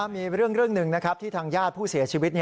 มีเรื่องหนึ่งนะครับที่ทางญาติผู้เสียชีวิต